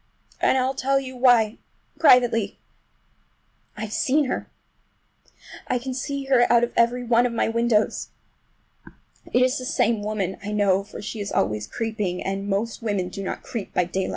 And I'll tell you why—privately—I've seen her! I can see her out of every one of my windows! It is the same woman, I know, for she is always creeping, and most women do not creep by daylight.